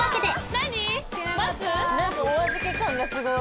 何かお預け感がすごい。